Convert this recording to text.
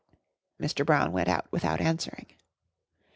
Mr. Brown went out without answering.